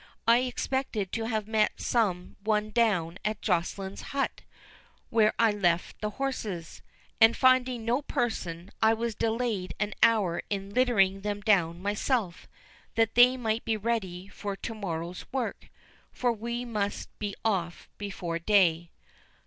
I expected to have met some one down at Joceline's hut, where I left the horses; and finding no person, I was delayed an hour in littering them down myself, that they might be ready for to morrow's work—for we must be off before day."